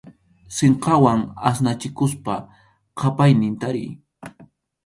Sinqawan asnachikuspa qʼapaynin tariy.